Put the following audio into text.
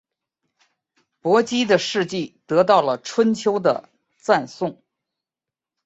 伯姬的事迹得到了春秋的赞颂。